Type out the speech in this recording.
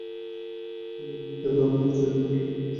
আমার এমনিতেই গরম লাগছে, তাই জল পান করছি।